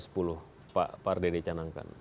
pak dede canangkan